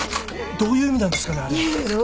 どういう意味なんですかねあれ。